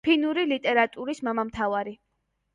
ფინური ლიტერატურის მამამთავარი.